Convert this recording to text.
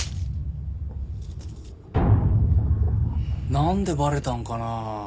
なんでバレたんかなあ？